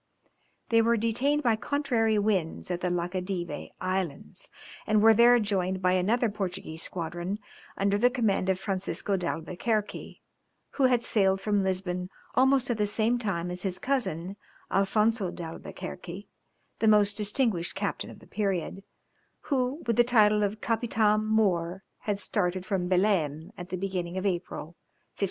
They were detained by contrary winds at the Laccadive Islands, and were there joined by another Portuguese squadron under the command of Francisco d'Albuquerque, who had sailed from Lisbon almost at the same time as his cousin Alfonzo d'Albuquerque the most distinguished captain of the period, who with the title of Capitam mõr had started from Belem at the beginning of April, 1503.